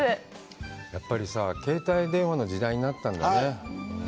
やっぱりさ、携帯電話の時代になったんだね。